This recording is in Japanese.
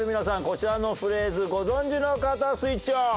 こちらのフレーズご存じの方スイッチオン！